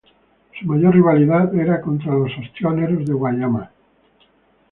Su mayor rivalidad era contra los Ostioneros de Guaymas.